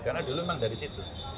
karena dulu memang dari situ